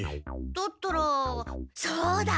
だったらそうだ！